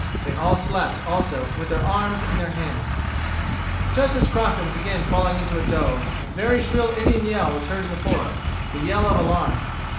They all slept, also, with their arms in their hands. Just as Crockett was again falling into a doze, a very shrill Indian yell was heard in the forest, the yell of alarm.